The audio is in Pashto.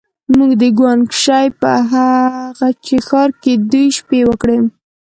موږ د ګوانګ شي په هه چه ښار کې دوې شپې وکړې.